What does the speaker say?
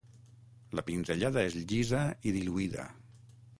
La pinzellada és llisa i diluïda.